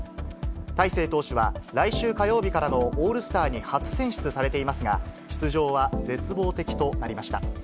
大勢投手は、来週火曜日からのオールスターに初選出されていますが、出場は絶望的となりました。